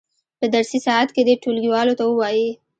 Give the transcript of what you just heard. په درسي ساعت کې دې ټولګیوالو ته ووایي.